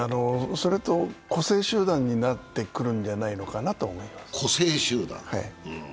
それと個性集団になってくるんじゃないかと思います。